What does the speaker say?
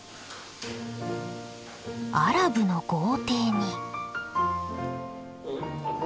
アラブの豪邸に。